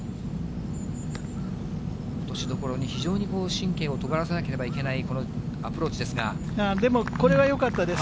落としどころに非常に神経をとがらせなければいけない、このでも、これはよかったです。